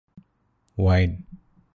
wine